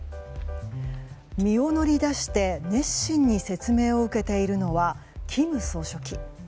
身を乗り出して熱心に説明を受けているのは金総書記。